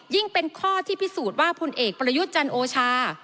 เป็นข้อที่พิสูจน์ว่าพลเอกประยุทธ์จันโอชา